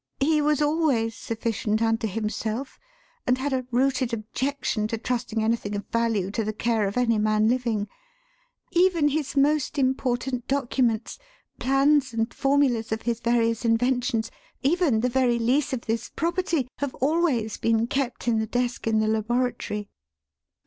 He was always sufficient unto himself, and had a rooted objection to trusting anything of value to the care of any man living. Even his most important documents plans and formulas of his various inventions, even the very lease of this property have always been kept in the desk in the laboratory."